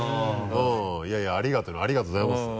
いやいやありがとうねありがとうございます。